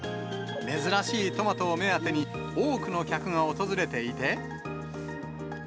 珍しいトマトを目当てに、多くの客が訪れていて。